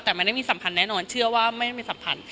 แต่มันไม่มีสัมพันธ์แน่นอนเชื่อว่าไม่มีสัมพันธ์